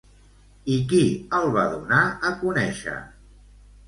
I qui el va donar a conèixer?